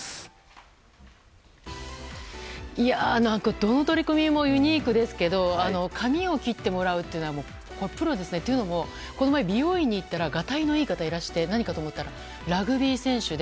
どの取り組みもユニークですけど髪を切ってもらうというのはプロですよね、というのもこの前、美容院に行ったらがたいのいい方がいらして何かと思ったらラグビー選手で。